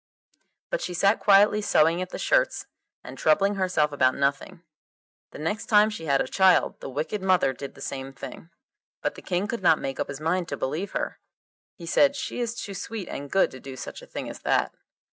But she sat quietly sewing at the shirts and troubling herself about nothing. The next time she had a child the wicked mother did the same thing, but the King could not make up his mind to believe her. He said, 'She is too sweet and good to do such a thing as that.